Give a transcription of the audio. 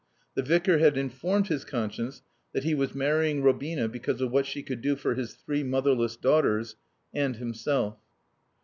The Vicar had informed his conscience that he was marrying Robina because of what she could do for his three motherless daughters and himself.